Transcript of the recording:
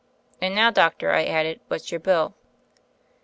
"And now, doctor," I added, "what's your bill?"